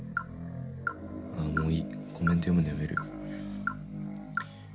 「あぁもういいコメント読むのやめる」